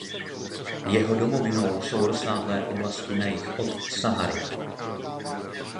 Jeho domovinou jsou rozsáhlé oblasti na jih od Sahary.